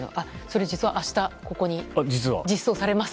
実は、明日ここに実装されます。